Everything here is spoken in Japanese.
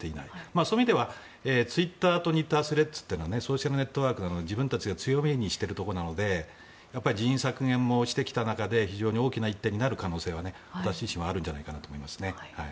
そういう意味ではツイッターと似たスレッズはソーシャルネットワークでは自分たちが強みにしているところなので人員削減もしてきた中で非常に大きな一手になる可能性は私自身もあるんじゃないかと思いますね。